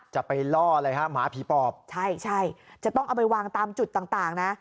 ใช่จะต้องเอาไปวางตามจุดต่างนะ